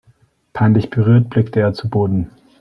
Peinlich berührt blickte er zu Boden.